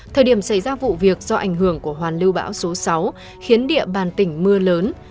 thời điểm xảy ra vụ việc do ảnh hưởng của hoàn lưu bão số sáu khiến địa bàn tỉnh mưa lớn